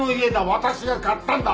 私が買ったんだ。